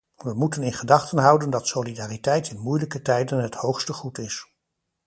We moeten in gedachten houden dat solidariteit in moeilijke tijden het hoogste goed is.